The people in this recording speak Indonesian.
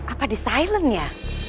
apa di silent ya